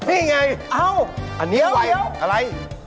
นี่ไงอะไรอะไรเหนียวเหนียว